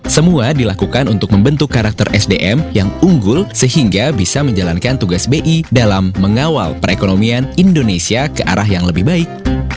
semua dilakukan untuk membentuk karakter sdm yang unggul sehingga bisa menjalankan tugas bi dalam mengawal perekonomian indonesia ke arah yang lebih baik